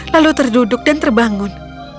lalu terduduk dan terbangun